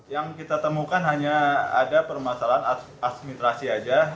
yang kita temukan hanya ada permasalahan administrasi saja